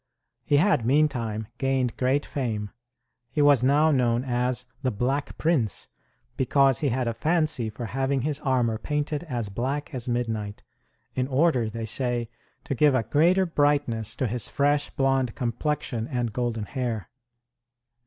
He had, meantime, gained great fame. He was now known as "the Black Prince," because he had a fancy for having his armor painted as black as midnight, in order, they say, to give a greater brightness to his fresh blond complexion and golden hair.